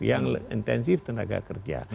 yang intensif tenaga kerja